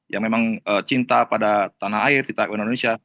yang memang cinta pada tanah air kita indonesia